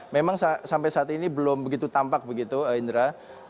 memang sampai saat ini belum begitu tampak begitu indra